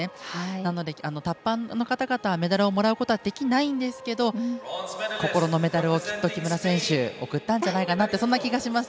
なので、タッパーの方々はメダルをもらうことはできないんですけれども心のメダルをきっと木村選手送ったんじゃないかなとそんな気がしました。